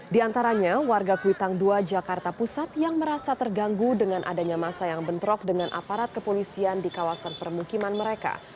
di antaranya warga kuitang dua jakarta pusat yang merasa terganggu dengan adanya masa yang bentrok dengan aparat kepolisian di kawasan permukiman mereka